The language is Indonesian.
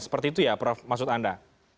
seperti itu ya prof maksud anda